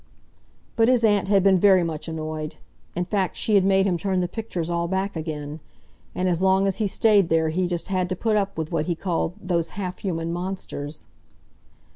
But his aunt had been very much annoyed—in fact, she had made him turn the pictures all back again; and as long as he stayed there he just had to put up with what he called "those half human monsters."